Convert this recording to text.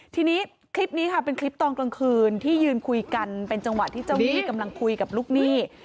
ทีนี้คลิปนี้ค่ะเป็นคลิปตอนกลางคืนที่ยืนคุยกันเป็นจังหวะที่เจ้าหนี้กำลังคุยกับลูกหนี้